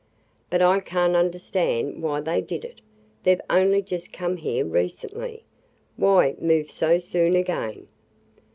"But I can't understand why they did it. They 've only just come here recently. Why move so soon again?"